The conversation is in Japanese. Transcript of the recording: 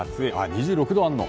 ２６度あるの？